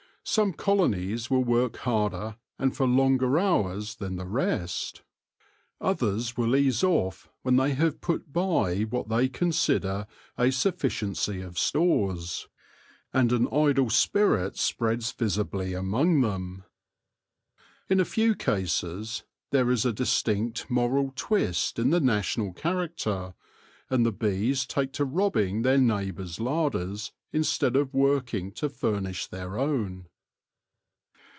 Some colonies will work harder and for longer hours than the rest. Others will ease off when they have put by what they THE SOVEREIGN WORKER BEE 99 consider a sufficiency of stores, and an idle spirit spreads visibly among them. In a few cases there is a distinct moral twist in the national character, and the bees take to robbing their neighbours' larders instead of working to furnish their own.